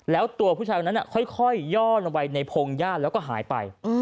แล้วตัวผู้ชายคนนั้นค่อยย่อลงไปในพงหญ้าแล้วก็หายไป